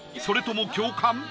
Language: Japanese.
それとも共感？